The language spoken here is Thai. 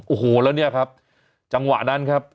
โอ้โหแล้วจังหวะนั้นครับ